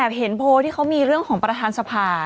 เห็นโพลที่เขามีเรื่องของประธานสภา